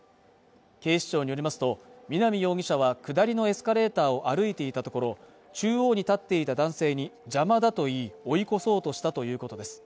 警視庁によりますと南容疑者は下りのエスカレーターを歩いていたところ中央に立っていた男性に邪魔だといい追い越そうとしたということです